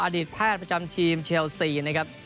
อดีตแพทย์ประจำทีมเชลซีนะครับ